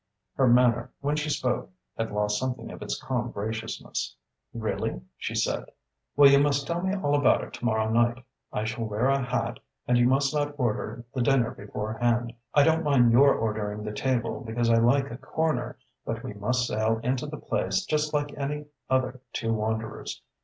Her manner, when she spoke, had lost something of its calm graciousness. "Really?" she said. "Well, you must tell me all about it to morrow night. I shall wear a hat and you must not order the dinner beforehand. I don't mind your ordering the table, because I like a corner, but we must sail into the place just like any other two wanderers.